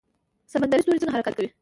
سمندري ستوری څنګه حرکت کوي؟